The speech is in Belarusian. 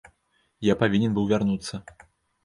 Я павінен быў вярнуцца.